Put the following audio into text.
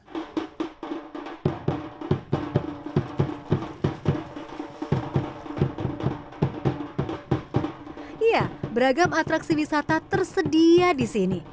iya beragam atraksi wisata tersedia di sini